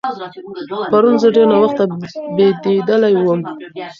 پرون زه ډېر ناوخته بېدېدلی وم.